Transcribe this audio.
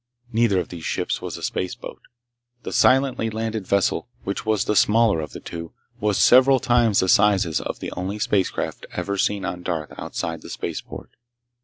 Neither of these ships was a spaceboat. The silently landed vessel, which was the smaller of the two, was several times the sizes of the only spacecraft ever seen on Darth outside the spaceport.